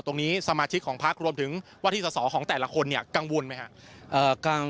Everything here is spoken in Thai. ตรงนี้สมาชิกของพักรวมถึงวาทิสสของแต่ละคนกังวลไหมครับ